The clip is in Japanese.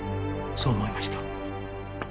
そう思いました